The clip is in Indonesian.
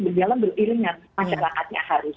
berjalan berilmian masyarakatnya harus